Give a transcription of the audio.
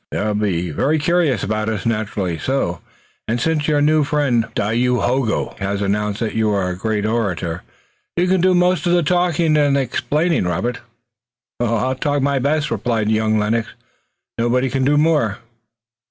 They'll be very curious about us, naturally so, and since your new friend Dayohogo has announced that you are a great orator, you can do most of the talking and explaining, Robert." "I'll talk my best," replied young Lennox. "Nobody can do more."